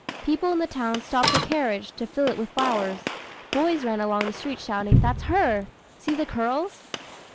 People in the towns stopped her carriage, to fill it with flowers. Boys ran along the streets, shouting, "That's her see the _courls!